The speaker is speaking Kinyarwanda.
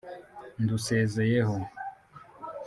ndusezeyeho